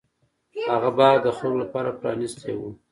هغه باغ د خلکو لپاره پرانیستی و.